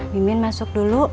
mimin masuk dulu